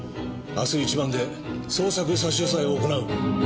明日一番で捜索差し押さえを行う。